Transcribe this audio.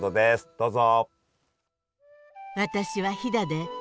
どうぞ。